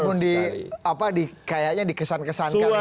meskipun di apa di kayaknya dikesan kesankan gitu